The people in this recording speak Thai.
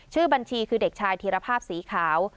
ชื่อบัญชีคือเด็กชายธีรภาพสีขาว